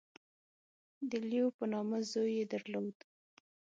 • د لیو په نامه زوی یې درلود.